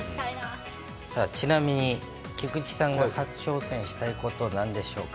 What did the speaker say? ちなみに、菊池さんが初挑戦したいことはなんでしょうか？